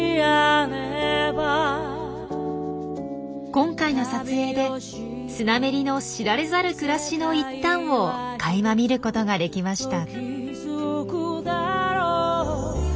今回の撮影でスナメリの知られざる暮らしの一端をかいま見ることができました。